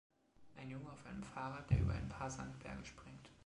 Ein Junge auf einem Fahrrad, der über ein paar Sandberge springt.